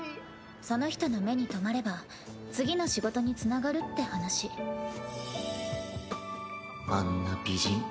その人の目に留まれば次の仕事につながるって話あんな美人